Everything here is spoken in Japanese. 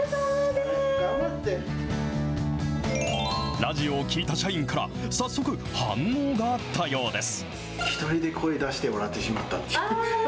ラジオを聴いた社員から早速、反応があったようです。